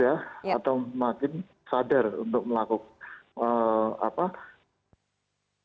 ini dimana yang ditudikan berbeda baru ponegoknya unasah menezdika bi células é